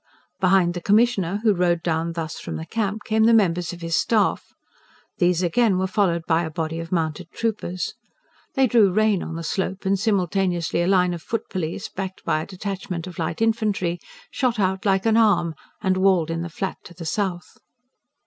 Behind the Commissioner, who rode down thus from the Camp, came the members of his staff; these again were followed by a body of mounted troopers. They drew rein on the slope, and simultaneously a line of foot police, backed by a detachment of light infantry, shot out like an arm, and walled in the Flat to the south.